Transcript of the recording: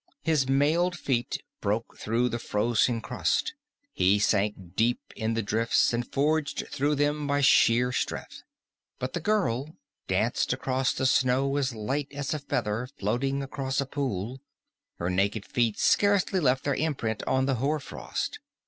His mailed feet broke through the frozen crust; he sank deep in the drifts and forged through them by sheer strength. But the girl danced across the snow as light as a feather floating across a pool; her naked feet scarcely left their imprint on the hoar frost.